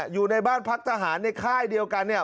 อยู่ในบ้านพักทหารในค่ายเดียวกันเนี่ย